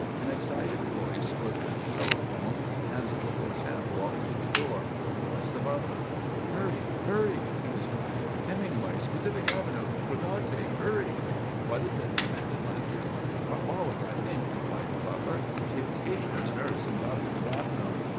An excited voice was at the telephone as the quartet walked through the door. It was the butler. "Hurry! Hurry!" he was crying. "Hemingway's! Pacific Avenue! For God's sake hurry!" "What is it?" demanded Lanagan. "Carbolic, I think," replied the butler. "She escaped from the nurse and got to the bathroom.